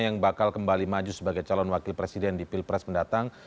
yang bakal kembali maju sebagai calon wakil presiden di pilpres mendatang